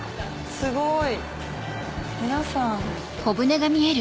すごい。